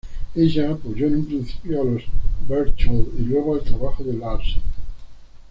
Ella apoyó en un principio a los Berchtold y luego el trabajo de Larsen.